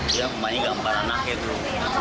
dia kembali gambar anaknya dulu